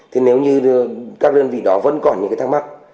thì nếu như các đơn vị đó vẫn còn những cái thắc mắc